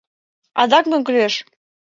Адак мо кӱлеш?